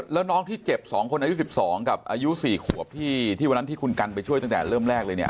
แล้วน้องที่เจ็บ๒คนอายุ๑๒กับอายุ๔ขวบที่วันนั้นที่คุณกันไปช่วยตั้งแต่เริ่มแรกเลยเนี่ย